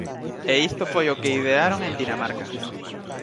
E isto foi o que idearon en Dinamarca.